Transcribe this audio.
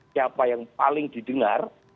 siapa yang paling didengar